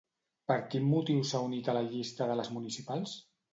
Per quin motiu s'ha unit a la llista de les municipals?